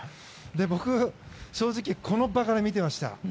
僕、正直この場から見ていました。